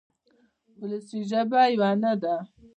وولسي ژبه یوه نه ده.